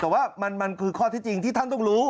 แต่ว่ามันคือข้อที่จริงที่ท่านต้องรู้